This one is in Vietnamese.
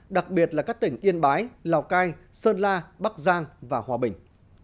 đặc biệt là các tỉnh yên bái lào cai sơn la bắc giang và hòa bình